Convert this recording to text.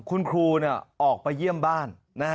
คุณครูออกไปเยี่ยมบ้าน